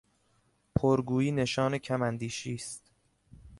پرگویی نشان کم اندیشی است.